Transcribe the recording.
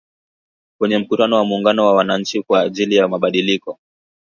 Kwenye mkutano wa muungano wa wananchi kwa ajili ya mabadiliko.